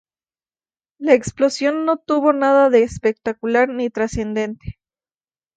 La explosión no tuvo nada de espectacular ni trascendente.